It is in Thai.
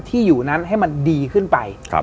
ที่อยู่นั้นให้มันดีขึ้นไป